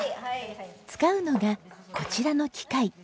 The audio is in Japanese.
使うのがこちらの機械。